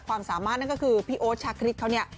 ความสามารถนั่นก็คือพี่โอ๊ตชาคริสเขาเนี่ย